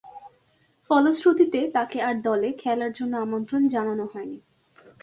ফলশ্রুতিতে, তাকে আর দলে খেলার জন্যে আমন্ত্রণ জানানো হয়নি।